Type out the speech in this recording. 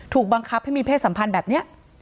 ถูกบังคับให้มีเพศสัมพันธ์แบบนี้